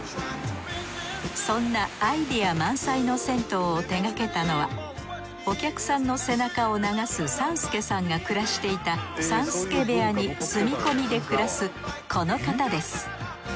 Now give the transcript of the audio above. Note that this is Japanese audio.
そんなアイデア満載の銭湯を手がけたのはお客さんの背中を流す三助さんが暮らしていた三助部屋に住み込みで暮らすこの方です。